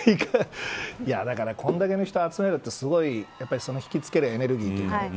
だからこれだけの人を集めるってすごい引きつけるエネルギーというかね